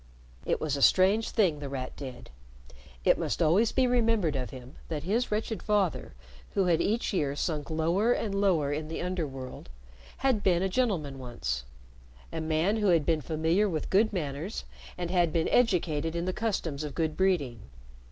It was a strange thing The Rat did. It must always be remembered of him that his wretched father, who had each year sunk lower and lower in the under world, had been a gentleman once, a man who had been familiar with good manners and had been educated in the customs of good breeding.